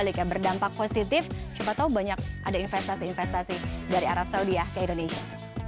tapi kalau ini berdampak positif siapa tahu banyak ada investasi investasi dari arab saudi ya ke indonesia